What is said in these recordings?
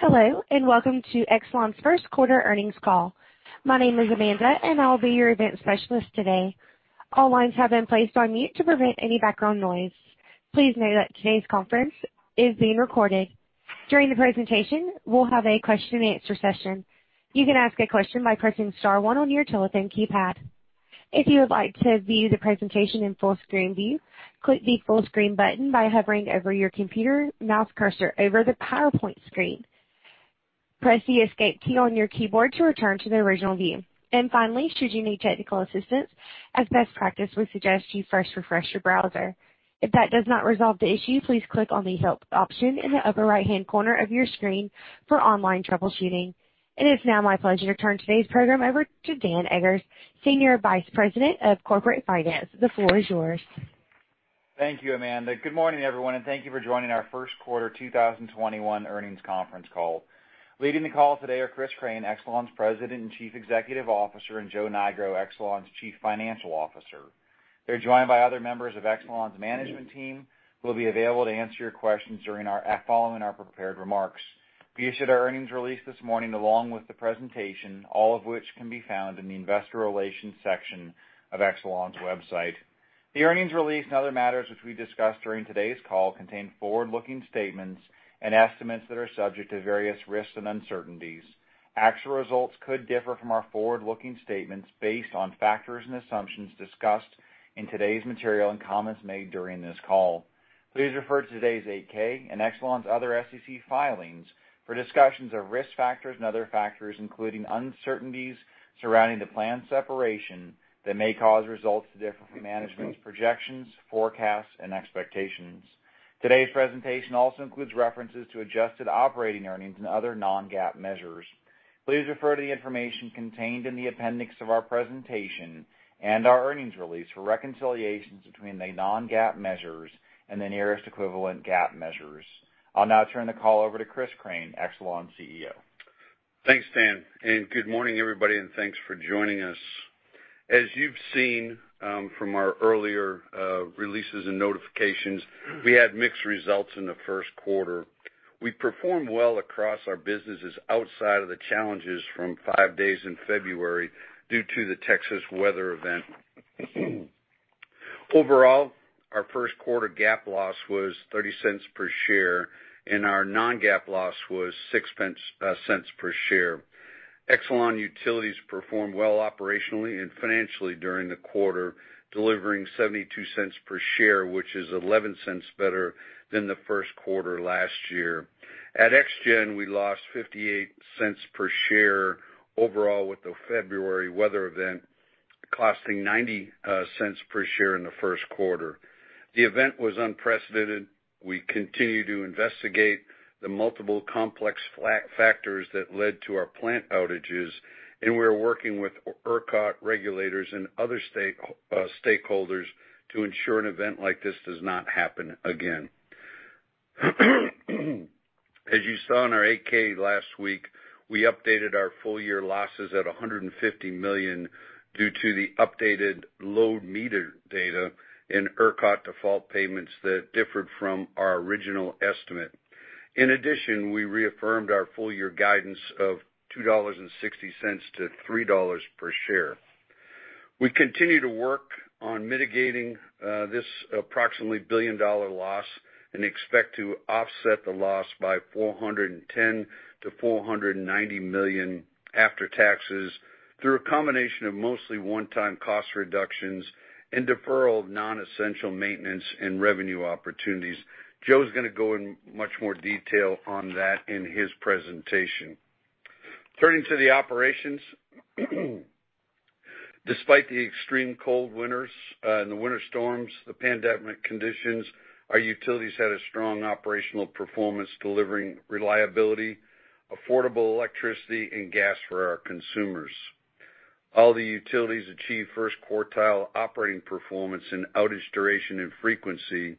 Hello, welcome to Exelon's Q1 earnings call. My name is Amanda, I will be your event specialist today. All lines have been placed on mute to prevent any background noise. Please note that today's conference is being recorded. During the presentation, we'll have a question and answer session. You can ask a question by pressing star one on your telephone keypad. If you would like to view the presentation in full-screen view, click the full-screen button by hovering over your computer mouse cursor over the PowerPoint screen. Press the escape key on your keyboard to return to the original view. Finally, should you need technical assistance, as best practice, we suggest you first refresh your browser. If that does not resolve the issue, please click on the help option in the upper right-hand corner of your screen for online troubleshooting. It is now my pleasure to turn today's program over to Daniel Eggers, Senior Vice President of Corporate Finance. The floor is yours. Thank you, Amanda. Good morning, everyone, and thank you for joining our Q1 2021 earnings conference call. Leading the call today are Chris Crane, Exelon's President and Chief Executive Officer, and Joe Nigro, Exelon's Chief Financial Officer. They are joined by other members of Exelon's management team who will be available to answer your questions following our prepared remarks. We issued our earnings release this morning, along with the presentation, all of which can be found in the investor relations section of Exelon's website. The earnings release and other matters which we discuss during today's call contain forward-looking statements and estimates that are subject to various risks and uncertainties. Actual results could differ from our forward-looking statements based on factors and assumptions discussed in today's material and comments made during this call. Please refer to today's 8-K and Exelon's other SEC filings for discussions of risk factors and other factors, including uncertainties surrounding the planned separation that may cause results to differ from management's projections, forecasts, and expectations. Today's presentation also includes references to adjusted operating earnings and other non-GAAP measures. Please refer to the information contained in the appendix of our presentation and our earnings release for reconciliations between the non-GAAP measures and the nearest equivalent GAAP measures. I'll now turn the call over to Chris Crane, Exelon's CEO. Thanks, Dan, good morning, everybody, and thanks for joining us. As you've seen from our earlier releases and notifications, we had mixed results in the Q1. We performed well across our businesses outside of the challenges from five days in February due to the Texas weather event. Overall, our Q1 GAAP loss was $0.30 per share, our non-GAAP loss was $0.06 per share. Exelon Utilities performed well operationally and financially during the quarter, delivering $0.72 per share, which is $0.11 better than the Q1 last year. At ExGen, we lost $0.58 per share overall, with the February weather event costing $0.90 per share in the Q1. The event was unprecedented. We continue to investigate the multiple complex factors that led to our plant outages, and we're working with ERCOT regulators and other stakeholders to ensure an event like this does not happen again. As you saw in our 8-K last week, we updated our full-year losses at $150 million due to the updated load meter data and ERCOT default payments that differed from our original estimate. In addition, we reaffirmed our full-year guidance of $2.60-$3 per share. We continue to work on mitigating this approximately a billion-dollar loss and expect to offset the loss by $410 million-$490 million after taxes through a combination of mostly one-time cost reductions and deferral of non-essential maintenance and revenue opportunities. Joe's going to go in much more detail on that in his presentation. Turning to the operations, despite the extreme cold winters and the winter storms, the pandemic conditions, our utilities had a strong operational performance, delivering reliability, affordable electricity, and gas for our consumers. All the utilities achieved first quartile operating performance in outage duration and frequency.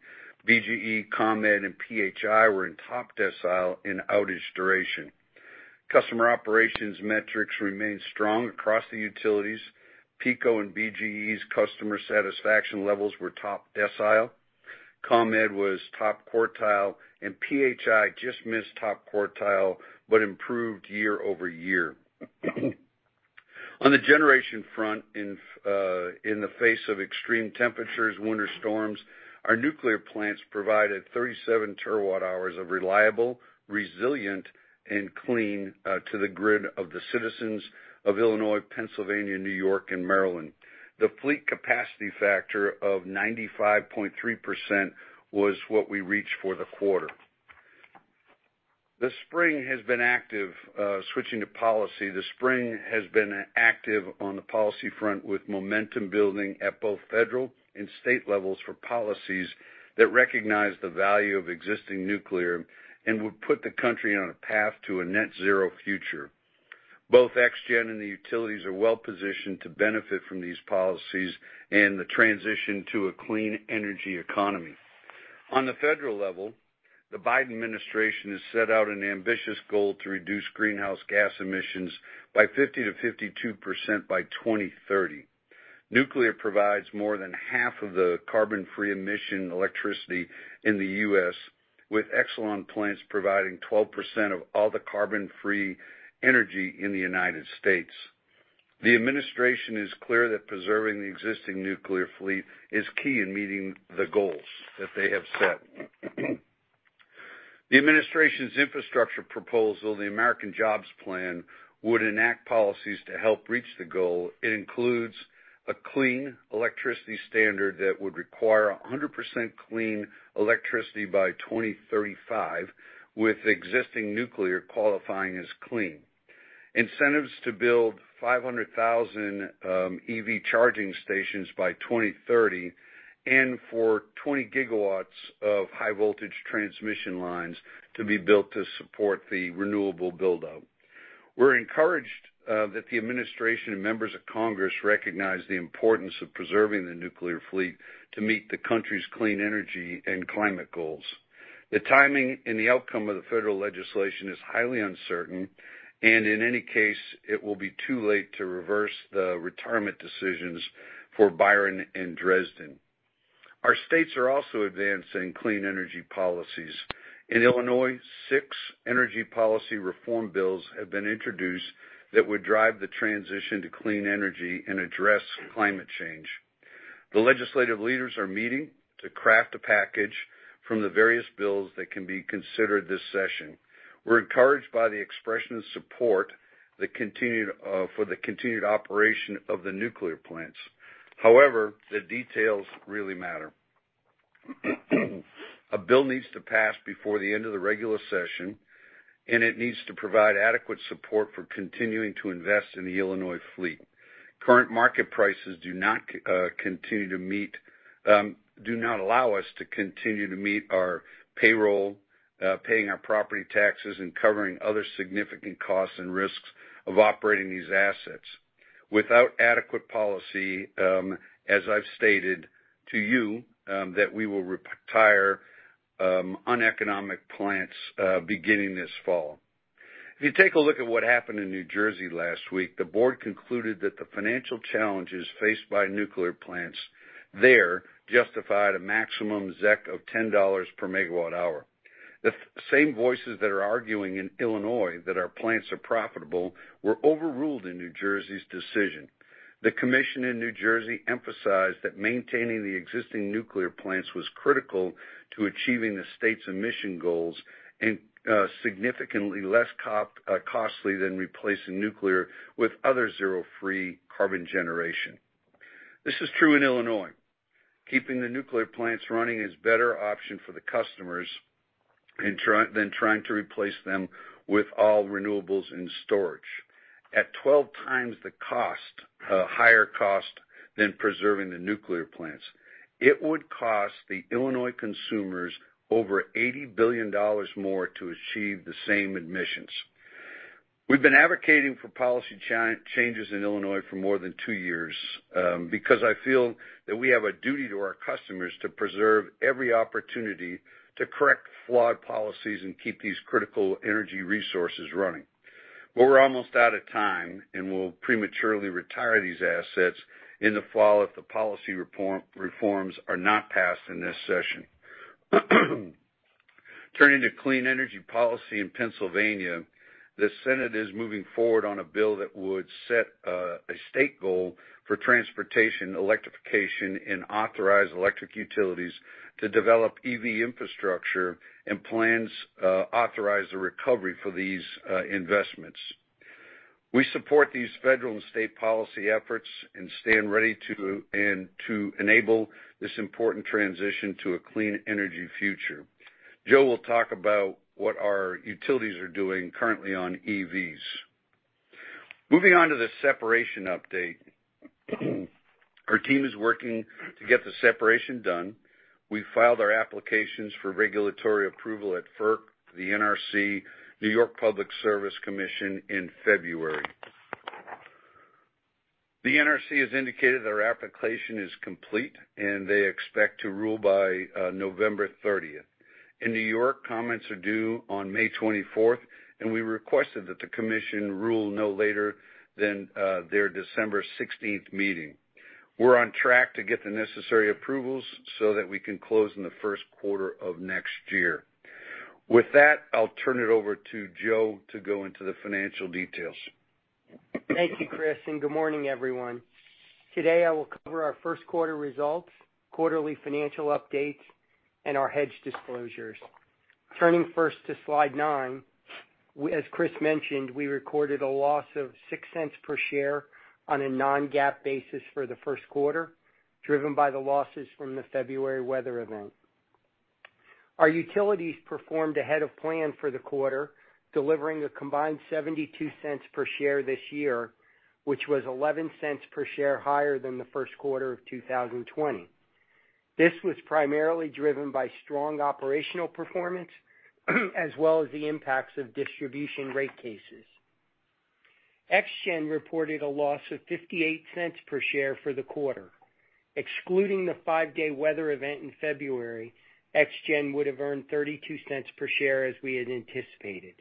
BGE, ComEd, and PHI were in top decile in outage duration. Customer operations metrics remained strong across the utilities. PECO and BGE's customer satisfaction levels were top decile. ComEd was top quartile, PHI just missed top quartile but improved year-over-year. On the generation front, in the face of extreme temperatures, winter storms, our nuclear plants provided 37 terawatt-hours of reliable, resilient, and clean to the grid of the citizens of Illinois, Pennsylvania, New York, and Maryland. The fleet capacity factor of 95.3% was what we reached for the quarter. This spring has been active. Switching to policy, the spring has been active on the policy front, with momentum building at both federal and state levels for policies that recognize the value of existing nuclear and would put the country on a path to a net zero future. Both ExGen and the utilities are well-positioned to benefit from these policies and the transition to a clean energy economy. On the federal level, the Biden administration has set out an ambitious goal to reduce greenhouse gas emissions by 50%-52% by 2030. Nuclear provides more than half of the carbon-free emission electricity in the U.S., with Exelon plants providing 12% of all the carbon-free energy in the United States. The administration is clear that preserving the existing nuclear fleet is key in meeting the goals that they have set. The administration's infrastructure proposal, the American Jobs Plan, would enact policies to help reach the goal. It includes a Clean Electricity Standard that would require 100% clean electricity by 2035, with existing nuclear qualifying as clean. Incentives to build 500,000 EV charging stations by 2030 and for 20 gigawatts of high voltage transmission lines to be built to support the renewable buildup. We're encouraged that the administration and members of Congress recognize the importance of preserving the nuclear fleet to meet the country's clean energy and climate goals. The timing and the outcome of the federal legislation is highly uncertain, and in any case, it will be too late to reverse the retirement decisions for Byron and Dresden. Our states are also advancing clean energy policies. In Illinois, six energy policy reform bills have been introduced that would drive the transition to clean energy and address climate change. The legislative leaders are meeting to craft a package from the various bills that can be considered this session. We're encouraged by the expression of support for the continued operation of the nuclear plants. However, the details really matter. A bill needs to pass before the end of the regular session, and it needs to provide adequate support for continuing to invest in the Illinois fleet. Current market prices do not allow us to continue to meet our payroll, paying our property taxes, and covering other significant costs and risks of operating these assets. Without adequate policy, as I've stated to you, that we will retire uneconomic plants, beginning this fall. If you take a look at what happened in New Jersey last week, the board concluded that the financial challenges faced by nuclear plants there justified a maximum ZEC of $10 per megawatt hour. The same voices that are arguing in Illinois that our plants are profitable were overruled in New Jersey's decision. The commission in New Jersey emphasized that maintaining the existing nuclear plants was critical to achieving the state's emission goals and significantly less costly than replacing nuclear with other zero free carbon generation. This is true in Illinois. Keeping the nuclear plants running is better option for the customers than trying to replace them with all renewables and storage. At 12x the higher cost than preserving the nuclear plants, it would cost the Illinois consumers over $80 billion more to achieve the same emissions. We've been advocating for policy changes in Illinois for more than two years, because I feel that we have a duty to our customers to preserve every opportunity to correct flawed policies and keep these critical energy resources running. We're almost out of time, and we'll prematurely retire these assets in the fall if the policy reforms are not passed in this session. Turning to clean energy policy in Pennsylvania, the Senate is moving forward on a bill that would set a state goal for transportation electrification and authorize electric utilities to develop EV infrastructure and plans, authorize the recovery for these investments. We support these federal and state policy efforts and stand ready to enable this important transition to a clean energy future. Joe will talk about what our utilities are doing currently on EVs. Moving on to the separation update. Our team is working to get the separation done. We filed our applications for regulatory approval at FERC, the NRC, New York Public Service Commission in February. The NRC has indicated that our application is complete, and they expect to rule by November 30th. In New York, comments are due on May 24th, and we requested that the commission rule no later than their December 16th meeting. We're on track to get the necessary approvals so that we can close in the Q1 of next year. With that, I'll turn it over to Joe to go into the financial details. Thank you, Chris, and good morning, everyone. Today, I will cover our Q1 results, quarterly financial updates, and our hedge disclosures. Turning first to slide nine, as Chris mentioned, we recorded a loss of $0.06 per share on a non-GAAP basis for the Q1, driven by the losses from the February weather event. Our utilities performed ahead of plan for the quarter, delivering a combined $0.72 per share this year, which was $0.11 per share higher than the Q1 of 2020. This was primarily driven by strong operational performance, as well as the impacts of distribution rate cases. ExGen reported a loss of $0.58 per share for the quarter. Excluding the five-day weather event in February, ExGen would have earned $0.32 per share as we had anticipated.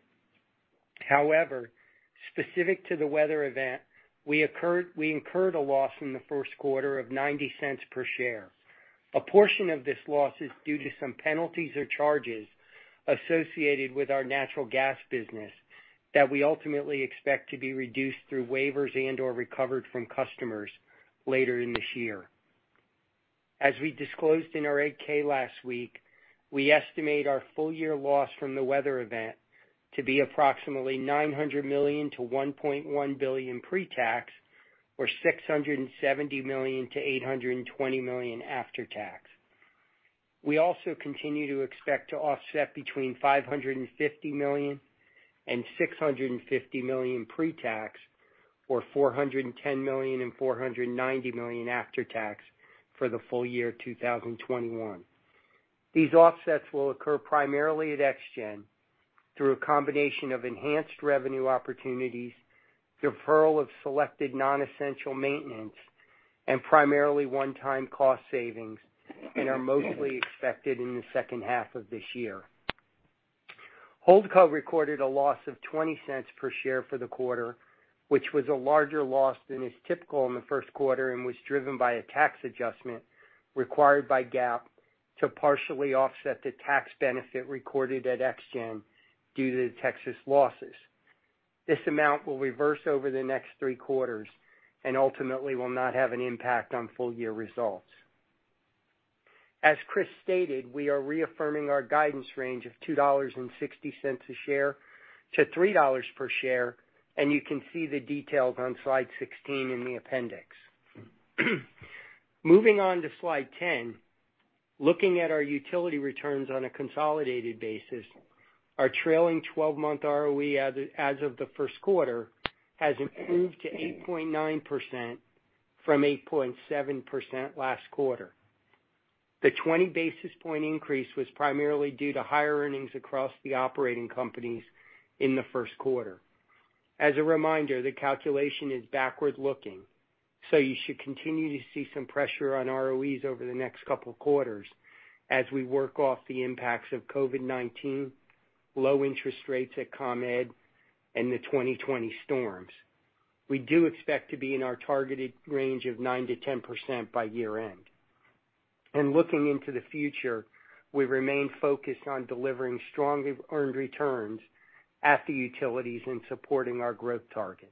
Specific to the weather event, we incurred a loss in the Q1 of $0.90 per share. A portion of this loss is due to some penalties or charges associated with our natural gas business that we ultimately expect to be reduced through waivers and/or recovered from customers later in this year. As we disclosed in our 8-K last week, we estimate our full-year loss from the weather event to be approximately $900 million-$1.1 billion pre-tax, or $670 million-$820 million after tax. We also continue to expect to offset between $550 million and $650 million pre-tax, or $410 million and $490 million after tax for the full year 2021. These offsets will occur primarily at ExGen through a combination of enhanced revenue opportunities, deferral of selected non-essential maintenance, and primarily one-time cost savings, and are mostly expected in the second half of this year. Holdco recorded a loss of $0.20 per share for the quarter, which was a larger loss than is typical in the Q1 and was driven by a tax adjustment required by GAAP to partially offset the tax benefit recorded at ExGen due to the Texas losses. This amount will reverse over the next Q3 and ultimately will not have an impact on full-year results. As Chris stated, we are reaffirming our guidance range of $2.60 a share - $3 per share. You can see the details on slide 16 in the appendix. Moving on to slide 10. Looking at our utility returns on a consolidated basis, our trailing 12-month ROE as of the Q1 has improved to 8.9% from 8.7% last quarter. The 20-basis point increase was primarily due to higher earnings across the operating companies in the Q1. You should continue to see some pressure on ROEs over the next couple of quarters as we work off the impacts of COVID-19, low interest rates at ComEd, and the 2020 storms. We do expect to be in our targeted range of 9%-10% by year end. Looking into the future, we remain focused on delivering strongly earned returns at the utilities and supporting our growth targets.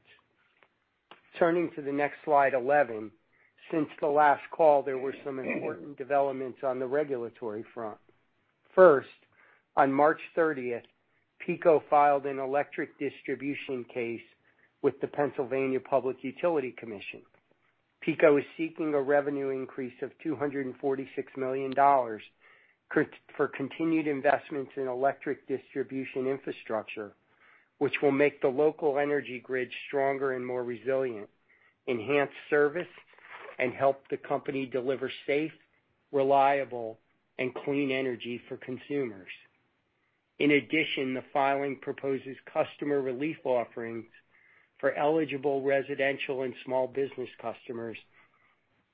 Turning to the next slide, 11, since the last call, there were some important developments on the regulatory front. First, on March 30th, PECO filed an electric distribution case with the Pennsylvania Public Utility Commission. PECO is seeking a revenue increase of $246 million for continued investments in electric distribution infrastructure, which will make the local energy grid stronger and more resilient, enhance service, and help the company deliver safe, reliable, and clean energy for consumers. In addition, the filing proposes customer relief offerings for eligible residential and small business customers,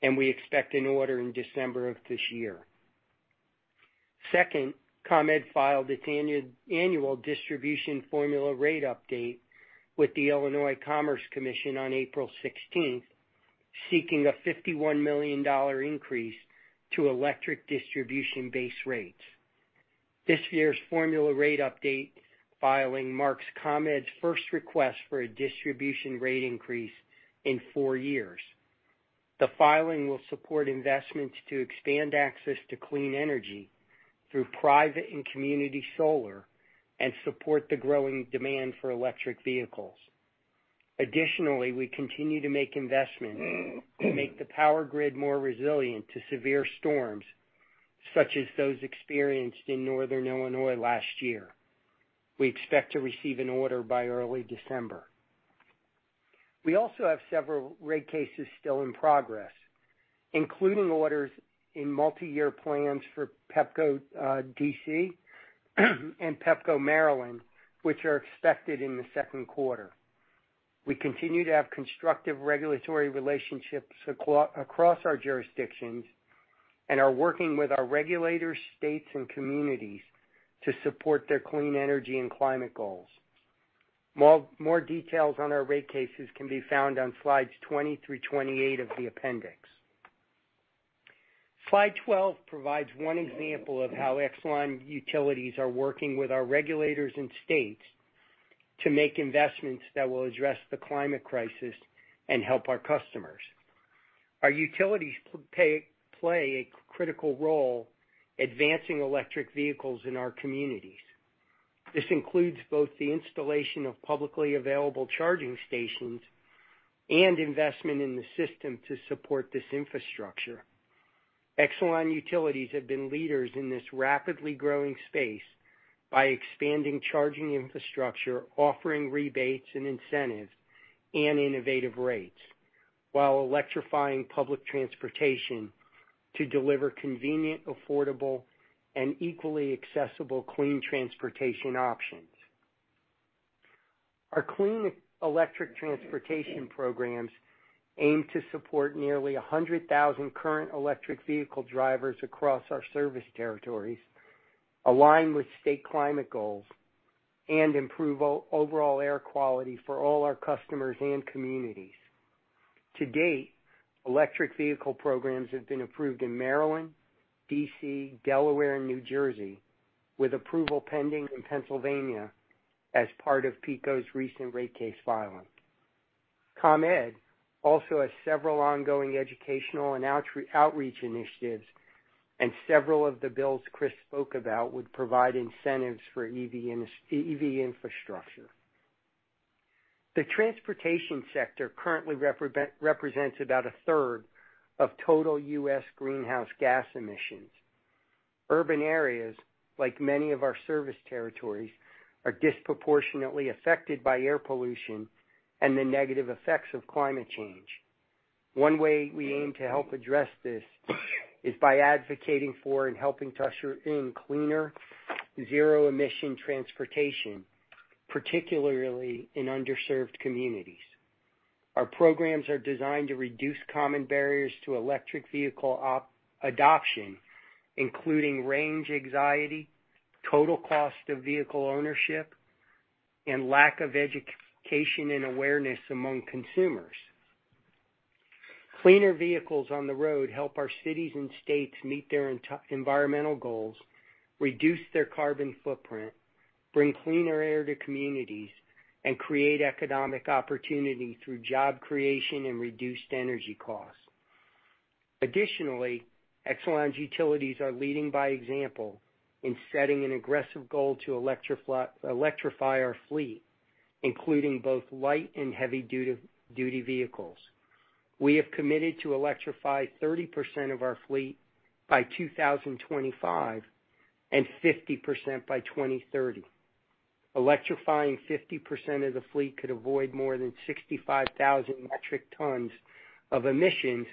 and we expect an order in December of this year. Second, ComEd filed its annual distribution formula rate update with the Illinois Commerce Commission on April 16th, seeking a $51 million increase to electric distribution base rates. This year's formula rate update filing marks ComEd's first request for a distribution rate increase in four years. The filing will support investments to expand access to clean energy through private and community solar and support the growing demand for electric vehicles. Additionally, we continue to make investments to make the power grid more resilient to severe storms, such as those experienced in Northern Illinois last year. We expect to receive an order by early December. We also have several rate cases still in progress, including orders in multi-year plans for Pepco, D.C. and Pepco, Maryland, which are expected in the Q2. We continue to have constructive regulatory relationships across our jurisdictions and are working with our regulators, states, and communities to support their clean energy and climate goals. More details on our rate cases can be found on slides 20 through 28 of the appendix. Slide 12 provides one example of how Exelon Utilities are working with our regulators and states to make investments that will address the climate crisis and help our customers. Our utilities play a critical role advancing electric vehicles in our communities. This includes both the installation of publicly available charging stations and investment in the system to support this infrastructure. Exelon Utilities have been leaders in this rapidly growing space by expanding charging infrastructure, offering rebates and incentives and innovative rates, while electrifying public transportation to deliver convenient, affordable, and equally accessible clean transportation options. Our Clean Electric Transportation Programs, aim to support nearly 100,000 current electric vehicle drivers across our service territories, align with state climate goals, and improve overall air quality for all our customers and communities. To date, electric vehicle programs have been approved in Maryland, D.C., Delaware, and New Jersey, with approval pending in Pennsylvania as part of PECO's recent rate case filing. ComEd also has several ongoing educational and outreach initiatives. Several of the bills Chris spoke about would provide incentives for EV infrastructure. The transportation sector currently represents about a third of total U.S. greenhouse gas emissions. Urban areas, like many of our service territories, are disproportionately affected by air pollution and the negative effects of climate change. One way we aim to help address this is by advocating for and helping to usher in cleaner zero-emission transportation, particularly in underserved communities. Our programs are designed to reduce common barriers to electric vehicle adoption, including range anxiety, total cost of vehicle ownership, and lack of education and awareness among consumers. Cleaner vehicles on the road help our cities and states meet their environmental goals, reduce their carbon footprint, bring cleaner air to communities, and create economic opportunity through job creation and reduced energy costs. Additionally, Exelon Utilities are leading by example in setting an aggressive goal to electrify our fleet, including both light and heavy-duty vehicles. We have committed to electrify 30% of our fleet by 2025, and 50% by 2030. Electrifying 50% of the fleet could avoid more than 65,000 metric tons of emissions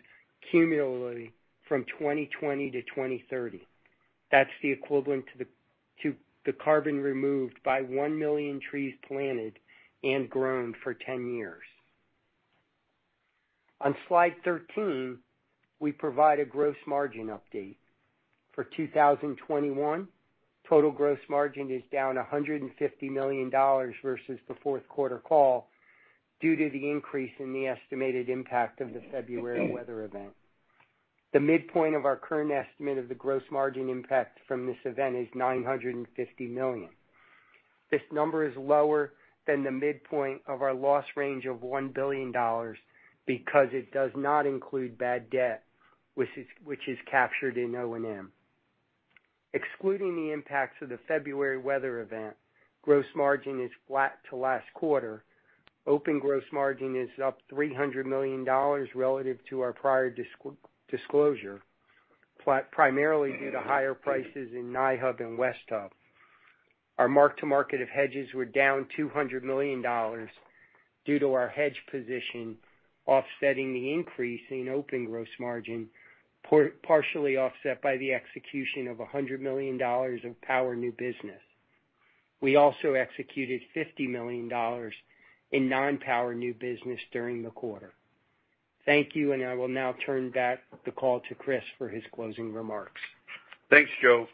cumulatively from 2020 - 2030. That's the equivalent to the carbon removed by 1 million trees planted and grown for 10 years. On slide 13, we provide a gross margin update. For 2021, total gross margin is down $150 million versus the Q4 call due to the increase in the estimated impact of the February weather event. The midpoint of our current estimate of the gross margin impact from this event is $950 million. This number is lower than the midpoint of our loss range of $1 billion because it does not include bad debt, which is captured in O&M. Excluding the impacts of the February weather event, gross margin is flat to last quarter. Open gross margin is up $300 million relative to our prior disclosure, primarily due to higher prices in NI-Hub and West Hub. Our mark to market of hedges were down $200 million due to our hedge position offsetting the increase in open gross margin, partially offset by the execution of $100 million of power new business. We also executed $50 million in non-power new business during the quarter. Thank you. I will now turn the call back to Chris for his closing remarks. Thanks, Joe.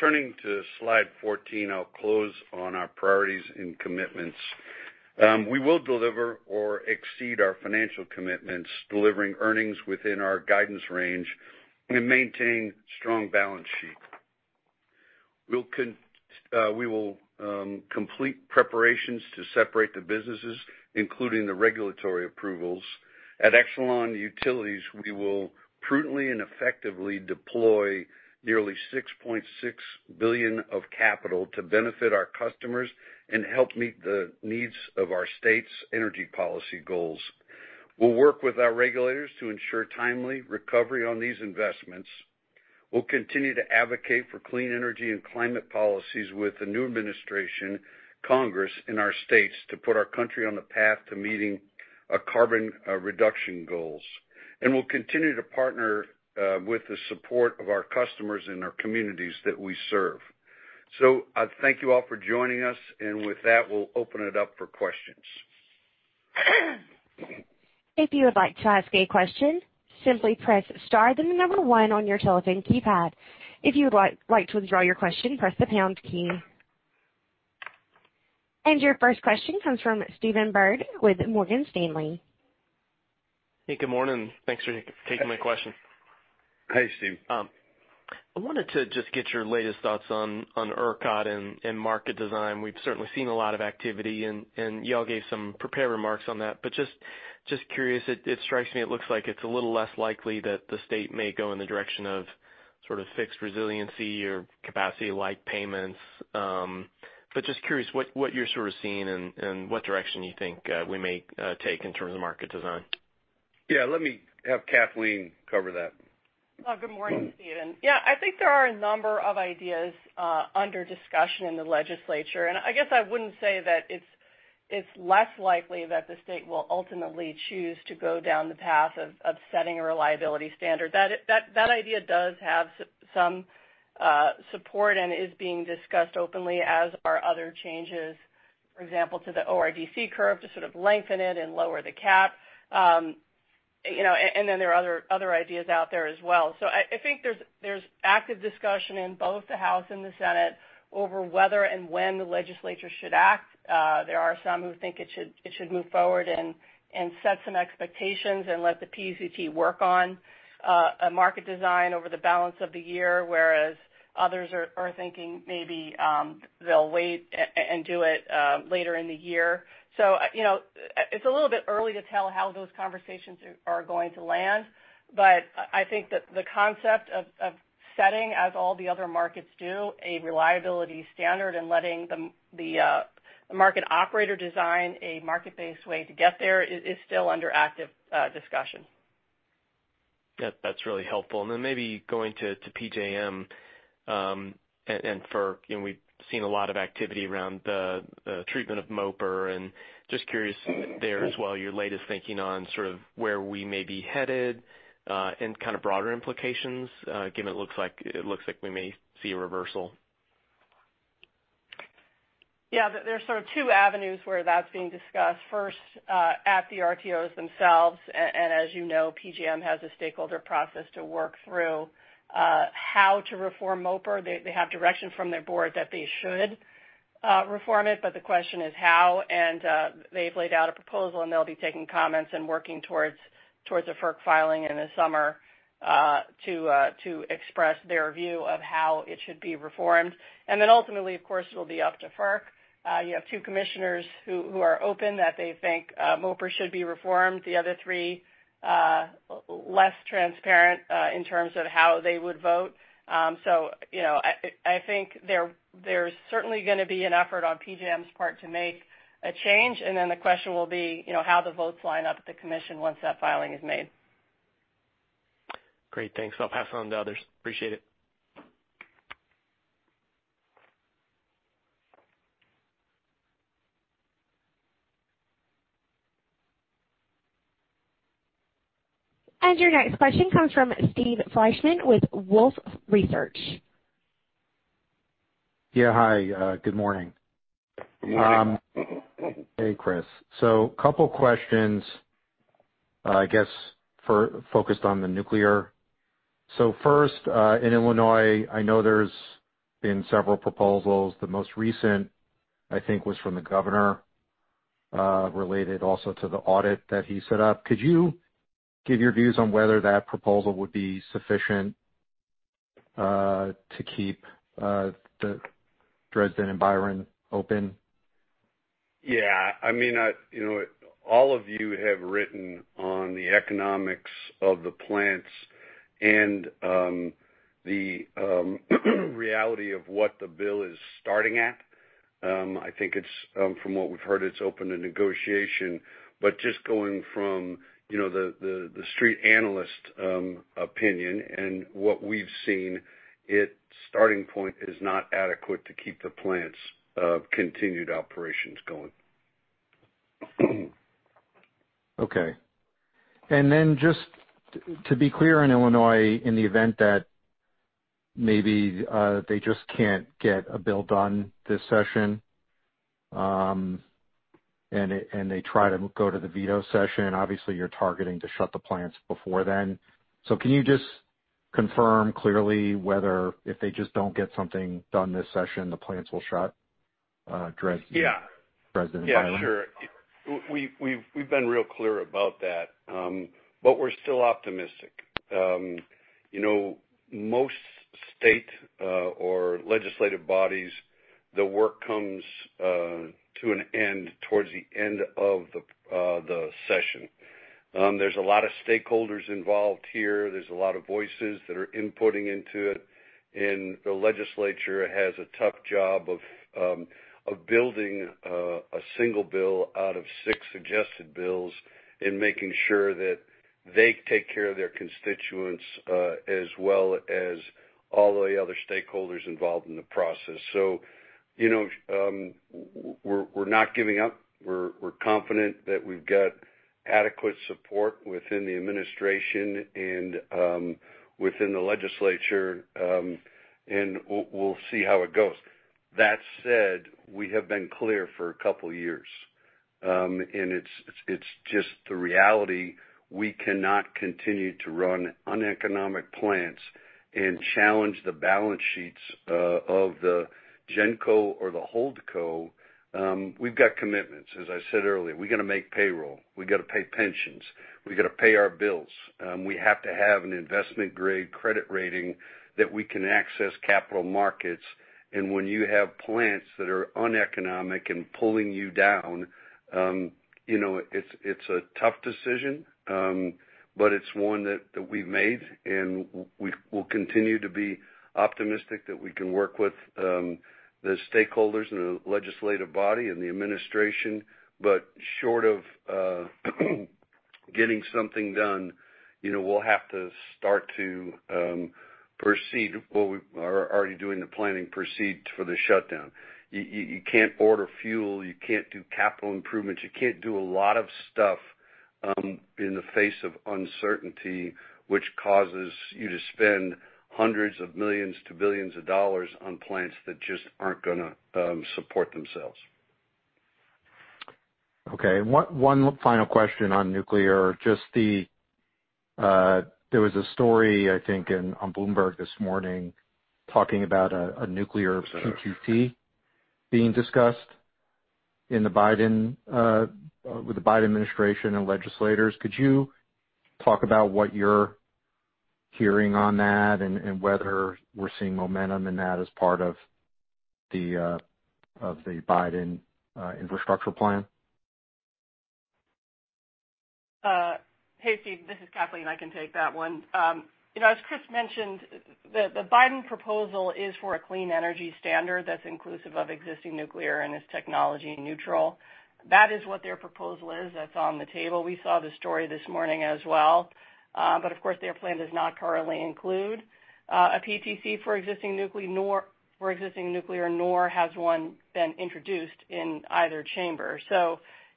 Turning to slide 14, I'll close on our priorities and commitments. We will deliver or exceed our financial commitments, delivering earnings within our guidance range, and maintain strong balance sheet. We will complete preparations to separate the businesses, including the regulatory approvals. At Exelon Utilities, we will prudently and effectively deploy nearly $6.6 billion of capital to benefit our customers and help meet the needs of our state's energy policy goals. We'll work with our regulators to ensure timely recovery on these investments. We'll continue to advocate for clean energy and climate policies with the new administration, Congress, and our states to put our country on the path to meeting our carbon reduction goals. We'll continue to partner with the support of our customers and our communities that we serve. I thank you all for joining us. With that, we'll open it up for questions. If you would like to ask a question, simply press star, then the number one on your telephone keypad. If you would like to withdraw your question, press the pound key. Your first question comes from Stephen Byrd with Morgan Stanley. Hey, good morning. Thanks for taking my question. Hey, Steve. I wanted to just get your latest thoughts on ERCOT and market design. We've certainly seen a lot of activity and you all gave some prepared remarks on that, but just curious. It strikes me it looks like it's a little less likely that the state may go in the direction of sort of fixed resiliency or capacity-like payments. Just curious what you're sort of seeing and what direction you think we may take in terms of market design. Yeah, let me have Kathleen cover that. Good morning, Stephen. Yeah, I think there are a number of ideas under discussion in the legislature, and I guess I wouldn't say that it's less likely that the state will ultimately choose to go down the path of setting a reliability standard. That idea does have some support and is being discussed openly, as are other changes. For example, to the ORDC curve to sort of lengthen it and lower the cap. There are other ideas out there as well. I think there's active discussion in both the House and the Senate over whether and when the legislature should act. There are some who think it should move forward and set some expectations and let the PUCT work on a market design over the balance of the year, whereas others are thinking maybe they'll wait and do it later in the year. It's a little bit early to tell how those conversations are going to land, but I think that the concept of setting, as all the other markets do, a reliability standard and letting the market operator design a market-based way to get there is still under active discussion. That's really helpful. Maybe going to PJM. We've seen a lot of activity around the treatment of MOPR, and just curious there as well, your latest thinking on sort of where we may be headed, and kind of broader implications, given it looks like we may see a reversal. Yeah. There's sort of two avenues where that's being discussed. First, at the RTOs themselves, and as you know, PJM has a stakeholder process to work through how to reform MOPR. They have direction from their board that they should reform it, but the question is how, and they've laid out a proposal, and they'll be taking comments and working towards a FERC filing in the summer to express their view of how it should be reformed. Ultimately, of course, it'll be up to FERC. You have two commissioners who are open that they think MOPR should be reformed. The other three, less transparent in terms of how they would vote. I think there's certainly going to be an effort on PJM's part to make a change. The question will be how the votes line up at the commission once that filing is made. Great. Thanks. I'll pass it on to the others. Appreciate it. Your next question comes from Steve Fleishman with Wolfe Research. Yeah, hi. Good morning. Good morning. Hey, Chris. Couple questions, I guess, focused on the nuclear. First, in Illinois, I know there's been several proposals. The most recent, I think, was from the governor, related also to the audit that he set up. Could you give your views on whether that proposal would be sufficient, to keep Dresden and Byron open? Yeah. All of you have written on the economics of the plants and the reality of what the bill is starting at. I think from what we've heard, it's open to negotiation. Just going from the street analyst opinion and what we've seen, its starting point is not adequate to keep the plants' continued operations going. Just to be clear, in Illinois, in the event that maybe they just can't get a bill done this session, and they try to go to the veto session, obviously, you're targeting to shut the plants before then. Can you just confirm clearly whether if they just don't get something done this session, the plants will shut, Dresden? Yeah. Dresden and Byron. Yeah, sure. We've been real clear about that. We're still optimistic. Most state or legislative bodies, the work comes to an end towards the end of the session. There's a lot of stakeholders involved here. There's a lot of voices that are inputting into it, and the legislature has a tough job of building a single bill out of six suggested bills and making sure that they take care of their constituents, as well as all the other stakeholders involved in the process. We're not giving up. We're confident that we've got adequate support within the administration and within the legislature, and we'll see how it goes. That said, we have been clear for a couple of years. It's just the reality we cannot continue to run uneconomic plants and challenge the balance sheets of the Genco or the Holdco. We've got commitments, as I said earlier. We've got to make payroll. We've got to pay pensions. We've got to pay our bills. We have to have an investment-grade credit rating that we can access capital markets. When you have plants that are uneconomic and pulling you down, it's a tough decision, but it's one that we've made, and we'll continue to be optimistic that we can work with the stakeholders in the legislative body and the administration. Short of getting something done, we'll have to start to proceed. Well, we are already doing the planning proceed for the shutdown. You can't order fuel. You can't do capital improvements. You can't do a lot of stuff In the face of uncertainty, which causes you to spend hundreds of millions to billions of dollars on plants that just aren't going to support themselves. Okay. One final question on nuclear. There was a story, I think, on Bloomberg this morning talking about a nuclear PTC being discussed with the Biden administration and legislators. Could you talk about what you're hearing on that and whether we're seeing momentum in that as part of the Biden infrastructure plan? Hey, Stephen, this is Kathleen. I can take that one. As Chris mentioned, the Biden proposal is for a Clean Electricity Standard that's inclusive of existing nuclear and is technology neutral. That is what their proposal is. That's on the table. We saw the story this morning as well. Of course, their plan does not currently include a PTC for existing nuclear, nor has one been introduced in either chamber.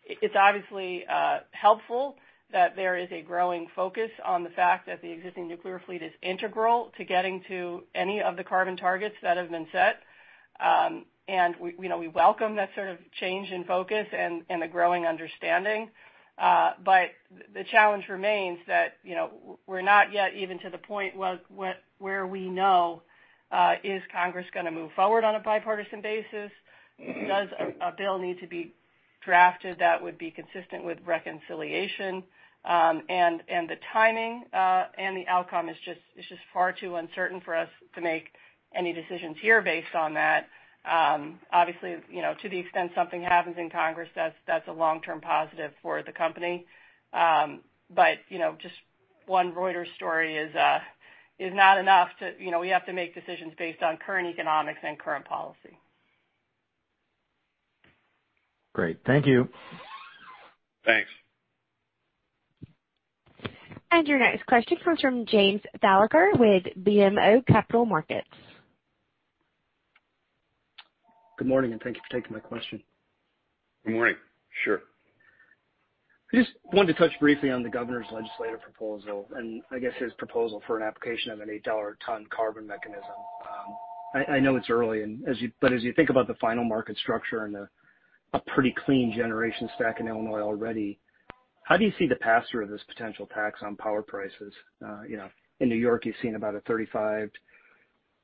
It's obviously helpful that there is a growing focus on the fact that the existing nuclear fleet is integral to getting to any of the carbon targets that have been set. We welcome that sort of change in focus and the growing understanding. The challenge remains that we're not yet even to the point where we know, is Congress going to move forward on a bipartisan basis? Does a bill need to be drafted that would be consistent with reconciliation? The timing and the outcome is just far too uncertain for us to make any decisions here based on that. Obviously, to the extent something happens in Congress, that's a long-term positive for the company. Just one Reuters story is not enough. We have to make decisions based on current economics and current policy. Great. Thank you. Thanks. Your next question comes from James Thalacker with BMO Capital Markets. Good morning, and thank you for taking my question. Good morning. Sure. I just wanted to touch briefly on the governor's legislative proposal, and I guess his proposal for an application of an $8 ton carbon mechanism. I know it's early, but as you think about the final market structure and a pretty clean generation stack in Illinois already, how do you see the passer of this potential tax on power prices? In New York, you've seen about a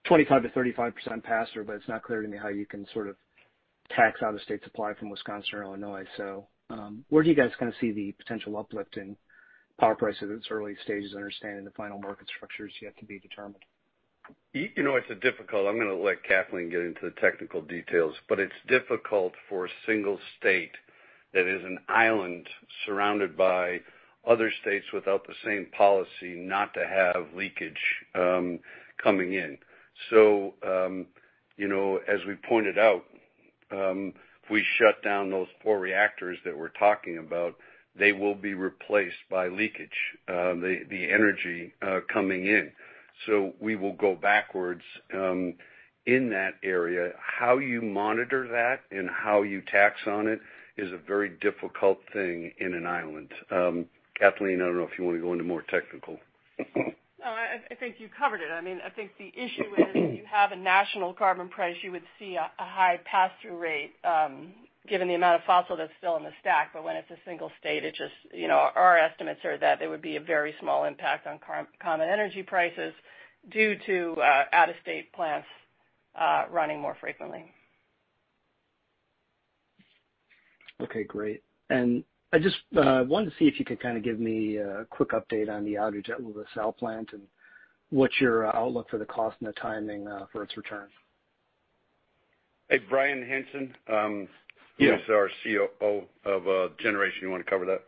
25%-35% passer, but it's not clear to me how you can sort of tax out-of-state supply from Wisconsin or Illinois. Where do you guys kind of see the potential uplift in power prices at its early stages of understanding the final market structure is yet to be determined? It's difficult. I'm going to let Kathleen get into the technical details, but it's difficult for a single state that is an island surrounded by other states without the same policy not to have leakage coming in. As we pointed out, if we shut down those four reactors that we're talking about, they will be replaced by leakage, the energy coming in. We will go backwards in that area. How you monitor that and how you tax on it is a very difficult thing in an island. Kathleen, I don't know if you want to go into more technical. No, I think you covered it. I think the issue is if you have a national carbon price, you would see a high passthrough rate given the amount of fossil that's still in the stack, but when it's a single state, our estimates are that there would be a very small impact on ComEd energy prices due to out-of-state plants running more frequently. Okay, great. I just wanted to see if you could kind of give me a quick update on the outage at the LaSalle plant, and what's your outlook for the cost and the timing for its return? Hey, Bryan Hanson. Yes who is our COO of Generation. You want to cover that?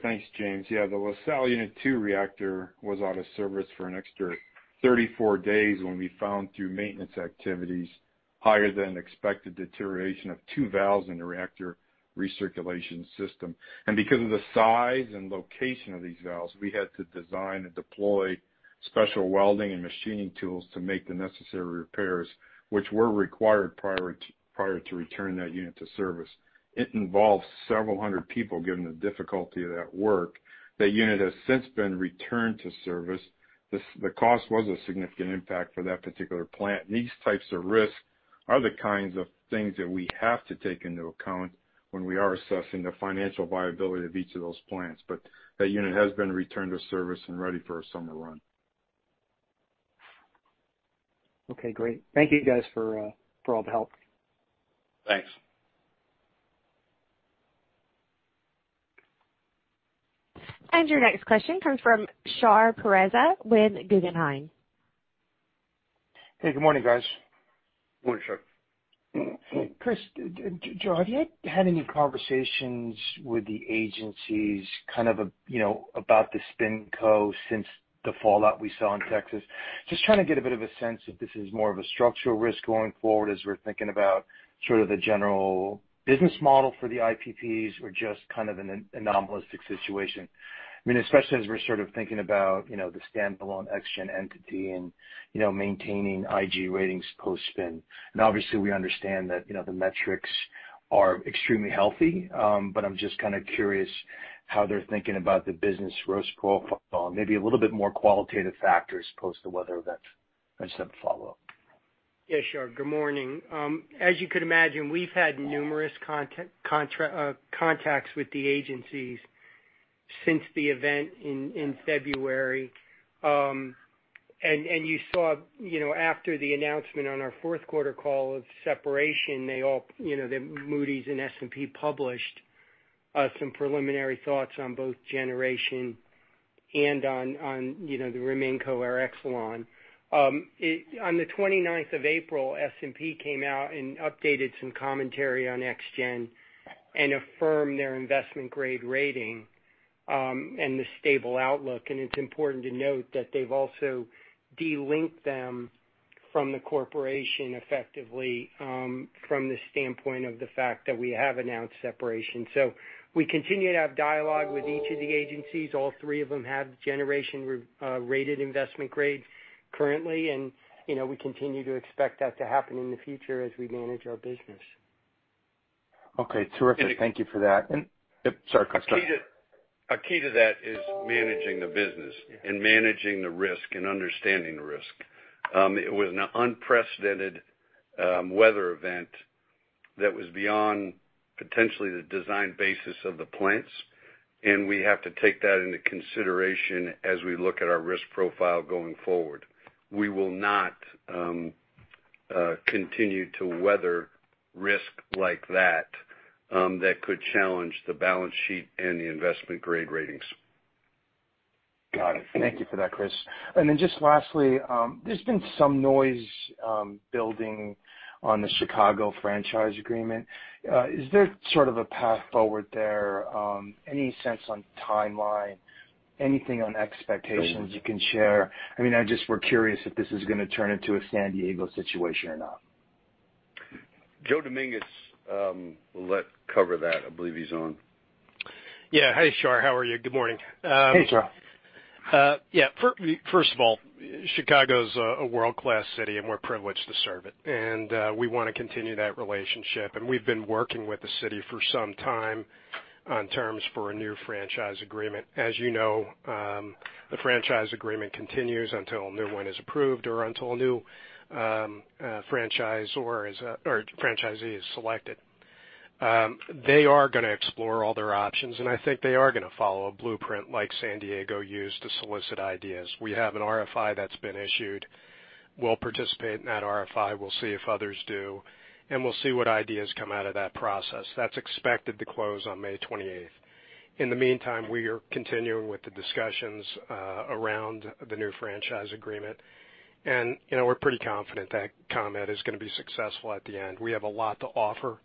Thanks, James. The LaSalle Unit two reactor was out of service for an extra 34 days when we found through maintenance activities higher than expected deterioration of two valves in the reactor recirculation system. Because of the size and location of these valves, we had to design and deploy special welding and machining tools to make the necessary repairs, which were required prior to returning that unit to service. It involved several hundred people, given the difficulty of that work. That unit has since been returned to service. The cost was a significant impact for that particular plant, and these types of risks are the kinds of things that we have to take into account when we are assessing the financial viability of each of those plants. That unit has been returned to service and ready for a summer run. Okay, great. Thank you guys for all the help. Thanks. Your next question comes from Shar Pourreza with Guggenheim. Hey, good morning, guys. Good morning, Shar. Chris, Joe, have you had any conversations with the agencies kind of about the SpinCo since the fallout we saw in Texas? Just trying to get a bit of a sense if this is more of a structural risk going forward as we're thinking about sort of the general business model for the IPPs or just kind of an anomalistic situation. I mean, especially as we're sort of thinking about the standalone ExGen entity and maintaining IG ratings post-spin. Obviously we understand that the metrics are extremely healthy. I'm just kind of curious how they're thinking about the business risk profile, maybe a little bit more qualitative factors post the weather event. I just have a follow-up. Yeah, sure. Good morning. As you could imagine, we've had numerous contacts with the agencies since the event in February. You saw after the announcement on our Q4 call of separation, they all, the Moody's and S&P published some preliminary thoughts on both generation and on the RemainCo or Exelon. On the April 29th, S&P came out and updated some commentary on ExGen and affirmed their investment-grade rating, and the stable outlook. It's important to note that they've also de-linked them from the corporation effectively from the standpoint of the fact that we have announced separation. We continue to have dialogue with each of the agencies. All three of them have generation-rated investment grade currently, and we continue to expect that to happen in the future as we manage our business. Okay, terrific. Thank you for that. Sorry, go ahead. A key to that is managing the business and managing the risk and understanding the risk. It was an unprecedented weather event that was beyond potentially the design basis of the plants, and we have to take that into consideration as we look at our risk profile going forward. We will not continue to weather risk like that could challenge the balance sheet and the investment grade ratings. Got it. Thank you for that, Chris. Then just lastly, there's been some noise building on the Chicago franchise agreement. Is there sort of a path forward there? Any sense on timeline? Anything on expectations you can share? I mean, I just were curious if this is going to turn into a San Diego situation or not. Joseph Dominguez will cover that. I believe he's on. Yeah. Hey, Shar, how are you? Good morning. Hey, Shar. First of all, Chicago is a world-class city, and we're privileged to serve it. We want to continue that relationship, and we've been working with the city for some time on terms for a new franchise agreement. As you know, the franchise agreement continues until a new one is approved or until a new franchisee is selected. They are going to explore all their options, and I think they are going to follow a blueprint like San Diego used to solicit ideas. We have an RFI that's been issued. We'll participate in that RFI. We'll see if others do, and we'll see what ideas come out of that process. That's expected to close on May 28th. In the meantime, we are continuing with the discussions around the new franchise agreement. We're pretty confident that ComEd is going to be successful at the end. We have a lot to offer.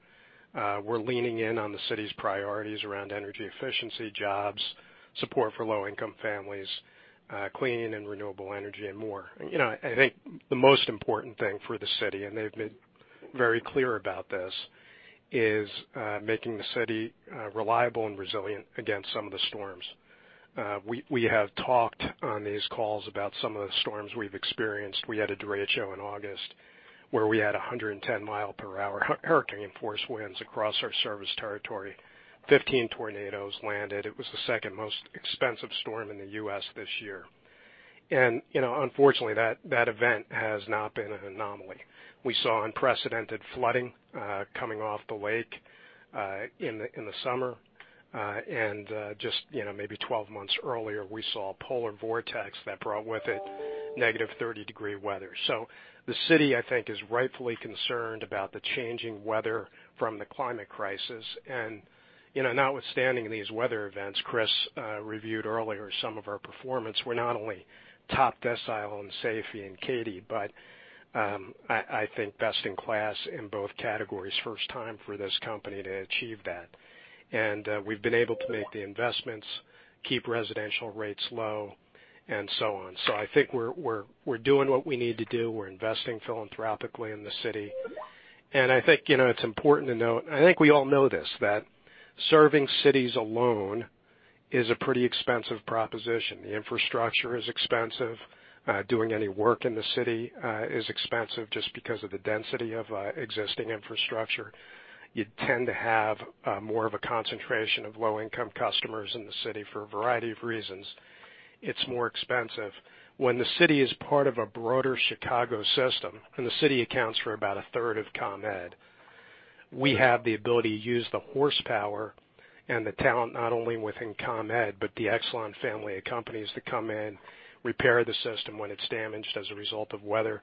We're leaning in on the city's priorities around energy efficiency jobs, support for low-income families, clean and renewable energy, and more. I think the most important thing for the city, and they've been very clear about this, is making the city reliable and resilient against some of the storms. We have talked on these calls about some of the storms we've experienced. We had a derecho in August where we had 110 mile per hour hurricane force winds across our service territory. 15 tornadoes landed. It was the second most expensive storm in the U.S. this year. Unfortunately that event has not been an anomaly. We saw unprecedented flooding coming off the lake in the summer. Just maybe 12 months earlier, we saw a polar vortex that brought with it negative 30-degree weather. The city, I think, is rightfully concerned about the changing weather from the climate crisis. Notwithstanding these weather events, Chris reviewed earlier some of our performance, we're not only top decile in SAIFI and CAIDI, but I think best in class in both categories. First time for this company to achieve that. We've been able to make the investments, keep residential rates low and so on. I think we're doing what we need to do. We're investing philanthropically in the city. I think it's important to note, I think we all know this, that serving cities alone is a pretty expensive proposition. The infrastructure is expensive. Doing any work in the city is expensive just because of the density of existing infrastructure. You tend to have more of a concentration of low-income customers in the city for a variety of reasons. It's more expensive. The city is part of a broader Chicago system, and the city accounts for about a third of ComEd, we have the ability to use the horsepower and the talent, not only within ComEd, but the Exelon family of companies to come in, repair the system when it's damaged as a result of weather.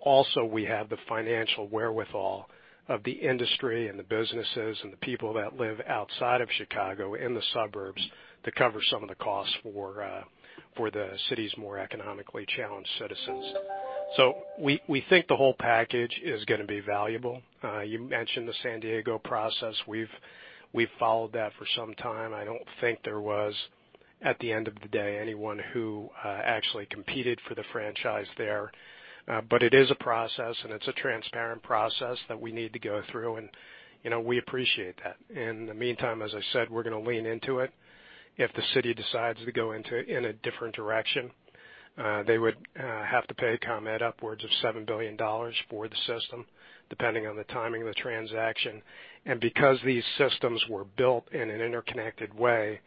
Also we have the financial wherewithal of the industry and the businesses and the people that live outside of Chicago in the suburbs to cover some of the costs for the city's more economically challenged citizens. We think the whole package is going to be valuable. You mentioned the San Diego process. We've followed that for some time. I don't think there was, at the end of the day, anyone who actually competed for the franchise there. It is a process, and it's a transparent process that we need to go through, and we appreciate that. In the meantime, as I said, we're going to lean into it. If the city decides to go in a different direction, they would have to pay ComEd upwards of $7 billion for the system, depending on the timing of the transaction. Because these systems were built in an interconnected way,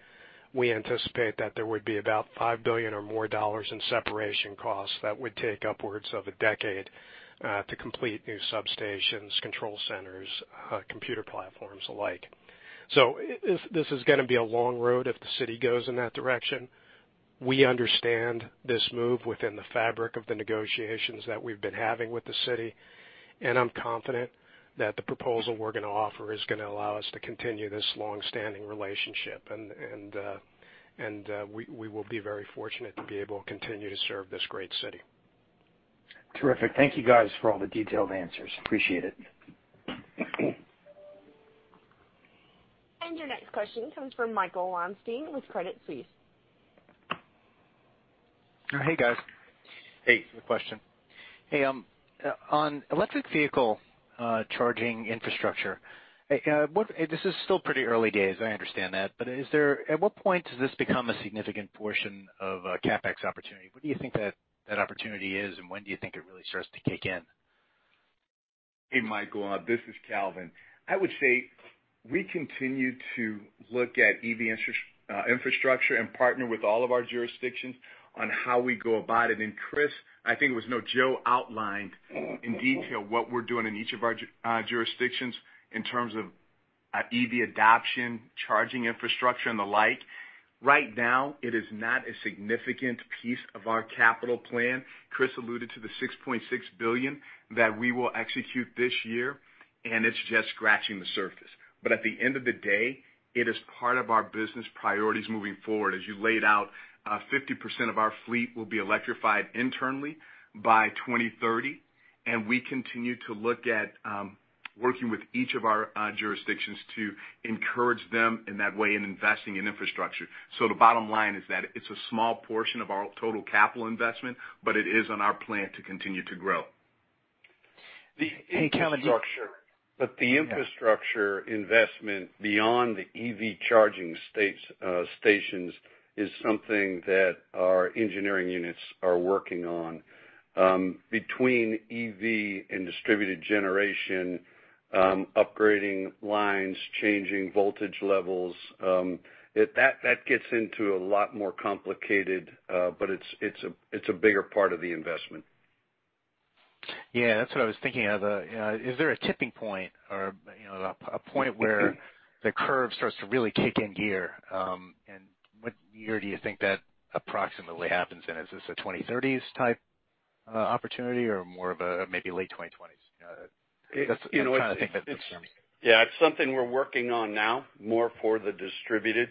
we anticipate that there would be about $5 billion or more in separation costs that would take upwards of a decade to complete new substations, control centers, computer platforms alike. This is going to be a long road if the city goes in that direction. We understand this move within the fabric of the negotiations that we've been having with the city, and I'm confident that the proposal we're going to offer is going to allow us to continue this longstanding relationship. We will be very fortunate to be able to continue to serve this great city. Terrific. Thank you guys for all the detailed answers. Appreciate it. Your next question comes from Michael Weinstein with Credit Suisse. Hey, guys. Hey. Good question. On electric vehicle charging infrastructure, this is still pretty early days, I understand that. At what point does this become a significant portion of a CapEx opportunity? What do you think that opportunity is, and when do you think it really starts to kick in? Hey, Michael. This is Calvin. I would say we continue to look at EV infrastructure and partner with all of our jurisdictions on how we go about it. Chris, I think it was Joe outlined in detail what we're doing in each of our jurisdictions in terms of EV adoption, charging infrastructure, and the like. Right now, it is not a significant piece of our capital plan. Chris alluded to the $6.6 billion that we will execute this year, and it's just scratching the surface. At the end of the day, it is part of our business priorities moving forward. As you laid out, 50% of our fleet will be electrified internally by 2030, and we continue to look at working with each of our jurisdictions to encourage them in that way in investing in infrastructure. The bottom line is that it's a small portion of our total capital investment, but it is on our plan to continue to grow. Hey, Calvin. The infrastructure investment beyond the EV charging stations is something that our engineering units are working on. Between EV and distributed generation, upgrading lines, changing voltage levels, that gets into a lot more complicated, but it's a bigger part of the investment. Yeah. That's what I was thinking of. Is there a tipping point or a point where the curve starts to really kick in gear? What year do you think that approximately happens in? Is this a 2030s type opportunity or more of a maybe late 2020s? I'm trying to think of the terms. Yeah, it's something we're working on now more for the distributed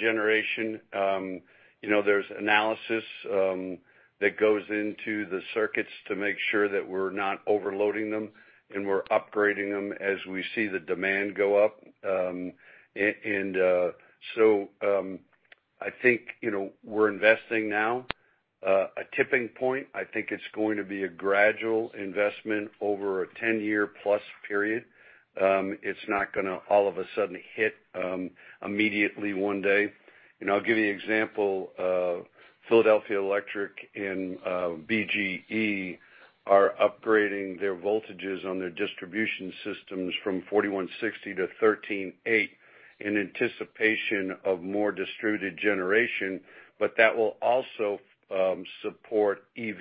generation. There's analysis that goes into the circuits to make sure that we're not overloading them, and we're upgrading them as we see the demand go up. I think we're investing now. A tipping point, I think it's going to be a gradual investment over a 10-year plus period. It's not going to all of a sudden hit immediately one day. I'll give you an example of PECO and BGE are upgrading their voltages on their distribution systems from 4160 to 13.8 in anticipation of more distributed generation, but that will also support EV.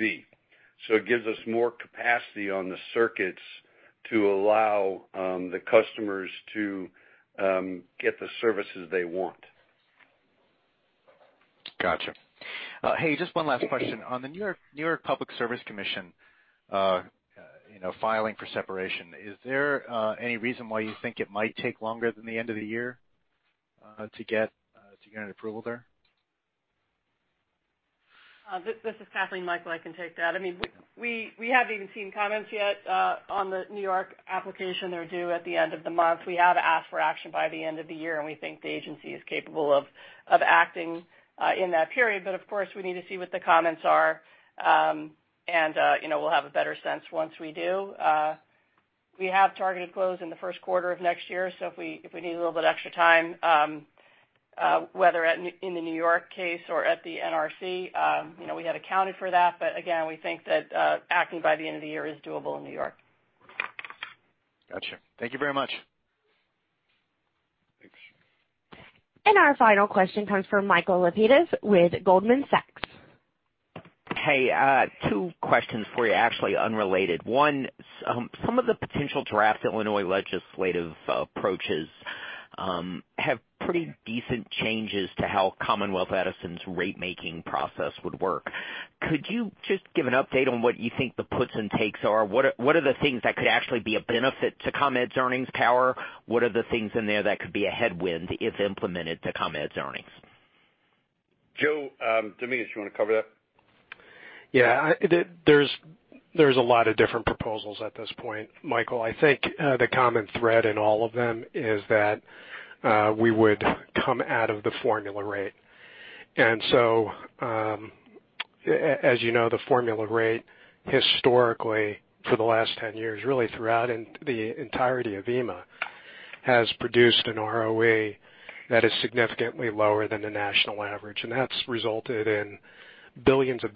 It gives us more capacity on the circuits to allow the customers to get the services they want. Got you. Hey, just one last question. On the New York Public Service Commission filing for separation, is there any reason why you think it might take longer than the end of the year to get an approval there? This is Kathleen. Michael, I can take that. We haven't even seen comments yet on the New York application. They're due at the end of the month. We have asked for action by the end of the year, and we think the agency is capable of acting in that period. Of course, we need to see what the comments are, and we'll have a better sense once we do. We have targeted close in the Q1 of next year. If we need a little bit extra time, whether in the New York case or at the NRC, we had accounted for that. Again, we think that acting by the end of the year is doable in New York. Got you. Thank you very much. Thanks. Our final question comes from Michael Lapides with Goldman Sachs. Hey, two questions for you, actually unrelated. One, some of the potential draft Illinois legislative approaches have pretty decent changes to how Commonwealth Edison's rate-making process would work. Could you just give an update on what you think the puts and takes are? What are the things that could actually be a benefit to ComEd's earnings power? What are the things in there that could be a headwind if implemented to ComEd's earnings? Joe, to me, do you want to cover that? Yeah. There's a lot of different proposals at this point, Michael. I think the common thread in all of them is that we would come out of the formula rate. As you know, the formula rate historically for the last 10 years, really throughout the entirety of EIMA, has produced an ROE that is significantly lower than the national average, and that's resulted in $ billions of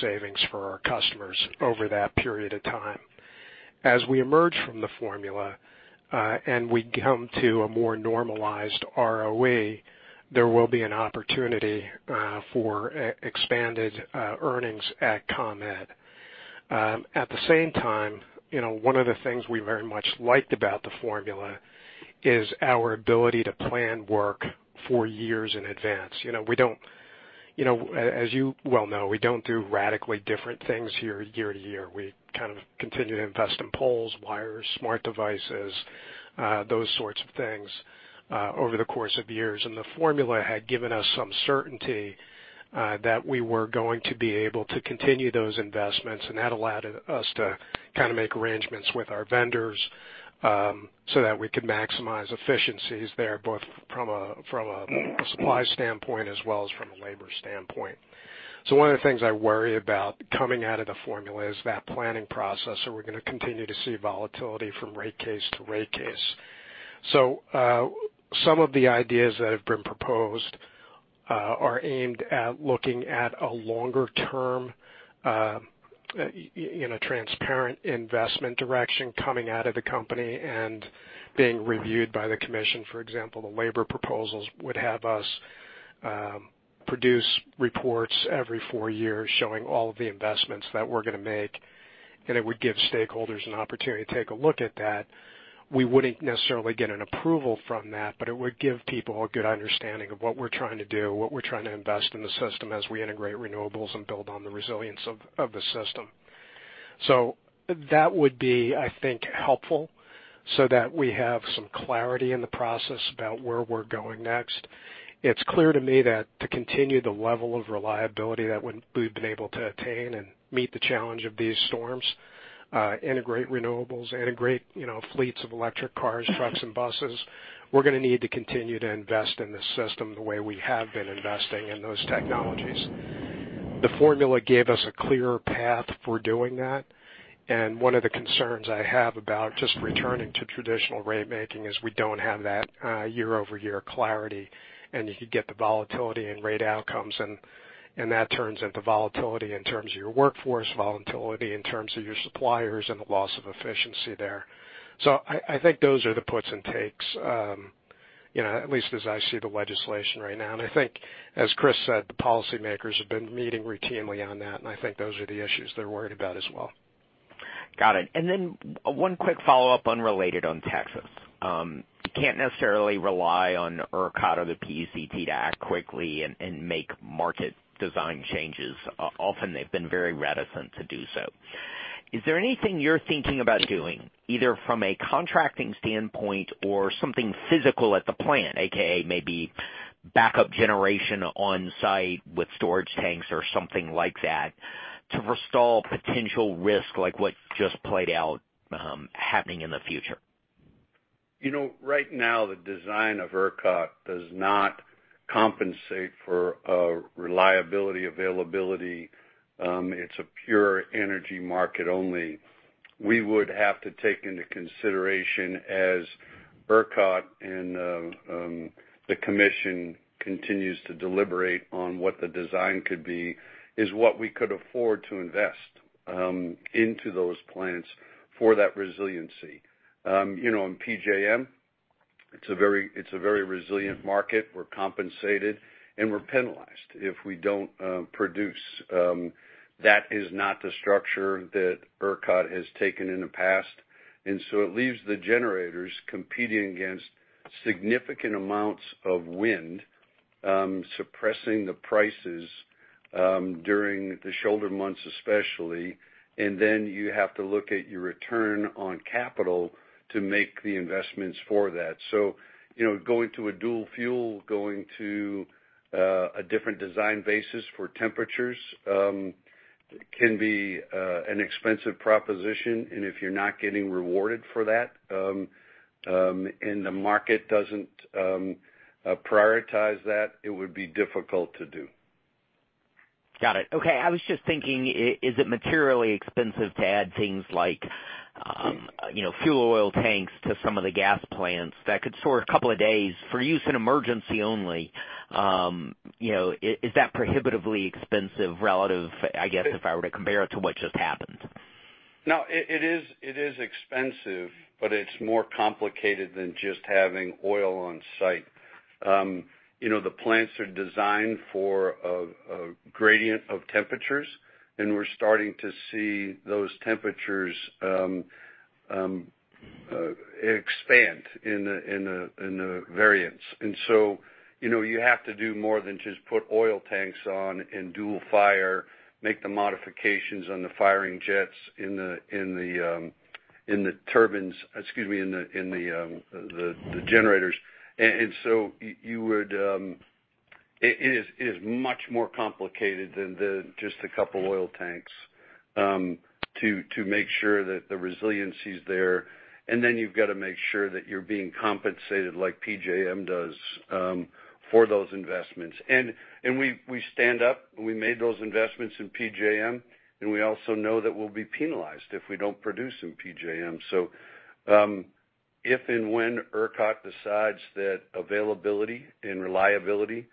savings for our customers over that period of time. As we emerge from the formula, and we come to a more normalized ROE, there will be an opportunity for expanded earnings at ComEd. At the same time, one of the things we very much liked about the formula is our ability to plan work four years in advance. As you well know, we don't do radically different things here year to year. We kind of continue to invest in poles, wires, smart devices, those sorts of things over the course of years. The formula had given us some certainty that we were going to be able to continue those investments, and that allowed us to make arrangements with our vendors so that we could maximize efficiencies there, both from a supply standpoint as well as from a labor standpoint. One of the things I worry about coming out of the formula is that planning process. Are we going to continue to see volatility from rate case to rate case? Some of the ideas that have been proposed are aimed at looking at a longer-term, transparent investment direction coming out of the company and being reviewed by the commission. For example, the labor proposals would have us produce reports every four years showing all of the investments that we're going to make. It would give stakeholders an opportunity to take a look at that. We wouldn't necessarily get an approval from that. It would give people a good understanding of what we're trying to do, what we're trying to invest in the system as we integrate renewables and build on the resilience of the system. That would be, I think, helpful so that we have some clarity in the process about where we're going next. It's clear to me that to continue the level of reliability that we've been able to attain and meet the challenge of these storms, integrate renewables, integrate fleets of electric cars, trucks, and buses, we're going to need to continue to invest in the system the way we have been investing in those technologies. The formula gave us a clear path for doing that. One of the concerns I have about just returning to traditional ratemaking is we don't have that year-over-year clarity. You could get the volatility in rate outcomes. That turns into volatility in terms of your workforce, volatility in terms of your suppliers. The loss of efficiency there. I think those are the puts and takes, at least as I see the legislation right now. I think, as Chris said, the policymakers have been meeting routinely on that, and I think those are the issues they're worried about as well. Got it. One quick follow-up unrelated on Texas. Can't necessarily rely on ERCOT or the PUCT to act quickly and make market design changes. Often, they've been very reticent to do so. Is there anything you're thinking about doing, either from a contracting standpoint or something physical at the plant, AKA maybe backup generation on-site with storage tanks or something like that, to forestall potential risk like what just played out happening in the future? Right now, the design of ERCOT does not compensate for reliability, availability. It's a pure energy market only. We would have to take into consideration, as ERCOT and the Commission continues to deliberate on what the design could be, is what we could afford to invest into those plants for that resiliency. In PJM, it's a very resilient market. We're compensated, we're penalized if we don't produce. That is not the structure that ERCOT has taken in the past, it leaves the generators competing against significant amounts of wind, suppressing the prices during the shoulder months especially, you have to look at your return on capital to make the investments for that. Going to a dual fuel, going to a different design basis for temperatures can be an expensive proposition. If you're not getting rewarded for that, and the market doesn't prioritize that, it would be difficult to do. Got it. Okay. I was just thinking, is it materially expensive to add things like fuel oil tanks to some of the gas plants that could store a couple of days for use in emergency only? Is that prohibitively expensive relative, I guess, if I were to compare it to what just happened? It is expensive, but it's more complicated than just having oil on-site. The plants are designed for a gradient of temperatures, and we're starting to see those temperatures expand in the variance. You have to do more than just put oil tanks on and dual fire, make the modifications on the firing jets in the generators. It is much more complicated than just a couple oil tanks to make sure that the resiliency is there. You've got to make sure that you're being compensated like PJM does for those investments. We made those investments in PJM, and we also know that we'll be penalized if we don't produce in PJM. If and when ERCOT decides that availability and reliability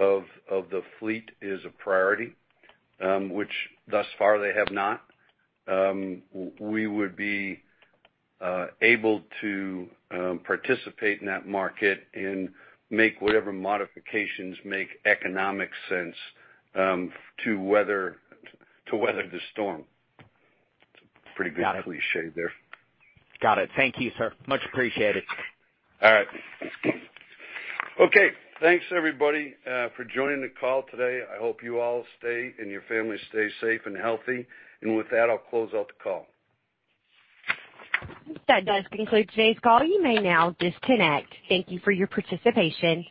of the fleet is a priority, which thus far they have not, we would be able to participate in that market and make whatever modifications make economic sense to weather the storm. It's a pretty good cliché there. Got it. Thank you, sir. Much appreciated. All right. Okay, thanks everybody for joining the call today. I hope you all stay and your family stay safe and healthy. With that, I'll close out the call. That does conclude today's call. You may now disconnect. Thank you for your participation.